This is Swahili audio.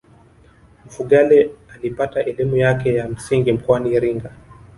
mfugale alipata elimu yake ya msingi mkoani iringa